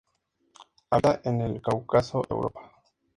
Habita en el Cáucaso, Europa.